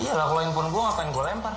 iya lah kalau handphone gue ngapain gue lempar